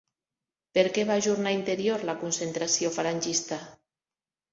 Per què va ajornar interior la concentració falangista?